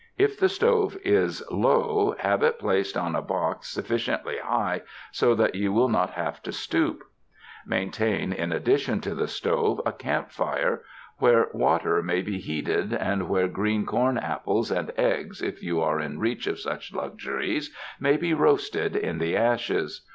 If the stove is low, have it placed on a box sufficiently high, so that you will not have to stoop. Maintain in addi tion to the stove a camp fire where water may be 56 THE MOUNTAINS heated, and where green corn, apples and eggs, if you are in reach of such luxuries, may be roasted in the ashes.